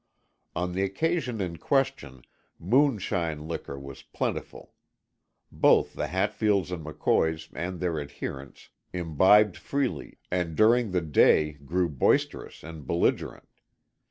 On the occasion in question "moonshine" liquor was plentiful. Both the Hatfields and McCoys and their adherents imbibed freely and during the day grew boisterous and belligerent.